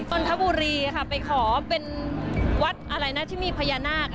นนทบุรีค่ะไปขอเป็นวัดอะไรนะที่มีพญานาค